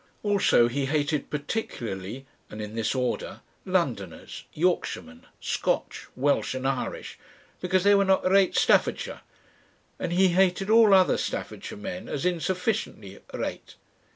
Also he hated particularly, and in this order, Londoner's, Yorkshiremen, Scotch, Welch and Irish, because they were not "reet Staffordshire," and he hated all other Staffordshire men as insufficiently "reet."